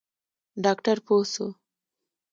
ډاکتر پوه سو.